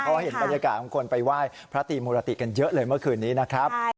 เพราะเห็นบรรยากาศของคนไปไหว้พระตีมุรติกันเยอะเลยเมื่อคืนนี้นะครับ